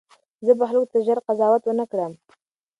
زه به خلکو ته ژر قضاوت ونه کړم.